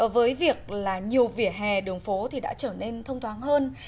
với việc là nhiều vỉa hè đường phố thì đã trở nên thông thoáng hơn